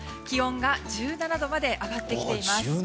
気温が１７度まで上がってきています。